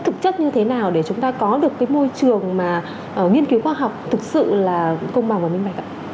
thực chất như thế nào để chúng ta có được cái môi trường mà nghiên cứu khoa học thực sự là công bằng và minh bạch ạ